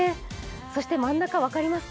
そして真ん中、分かりますか？